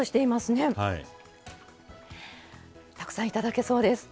たくさん頂けそうです。